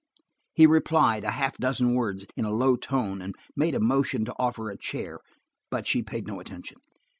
He replied–a half dozen words, in a low tone, and made a motion to offer her a chair. But she paid no attention.